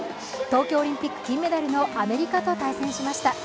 東京オリンピック金メダルのアメリカと対戦しました。